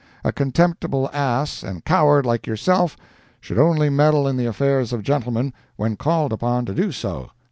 A contemptible ass and coward like yourself should only meddle in the affairs of gentlemen when called upon to do so.